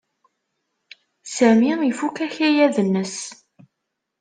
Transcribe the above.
Sami ifuk akayad-nnes.